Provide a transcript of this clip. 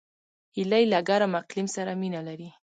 هیلۍ له ګرم اقلیم سره مینه لري